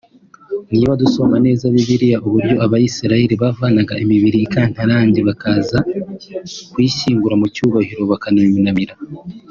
niba dusoma neza Bibiliya uburyo abayisilaheli bavanaga imibiri ikantarange bakaza kuyishyingura mu cyubahiro bakayunamira